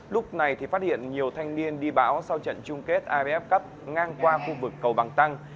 lúc này thì phát hiện nhiều thanh niên đi bão sau trận chung kết aff cup ngang qua khu vực cầu bằng tăng